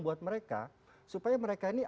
buat mereka supaya mereka ini